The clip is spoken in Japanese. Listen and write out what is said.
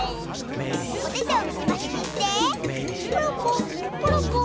おててをくちばしにしてポロッポーポロッポー。